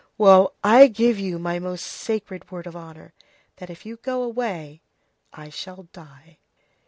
Well, I give you my most sacred word of honor, that if you go away I shall die."